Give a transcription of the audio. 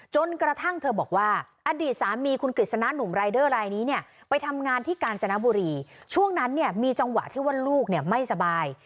จนกระทั่งเธอบอกว่าอดีตสามีคุณกฤษณะหนุ่มรายเดอร์รายนี้เนี่ยไปทำงานที่กาญจนบุรีช่วงนั้นเนี่ยมีจังหวะที่ว่าลูกเนี่ยไม่สบาย